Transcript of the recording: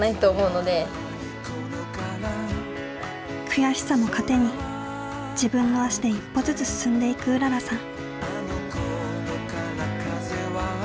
悔しさも糧に自分の足で一歩ずつ進んでいくうららさん。